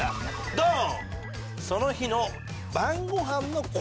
ドン！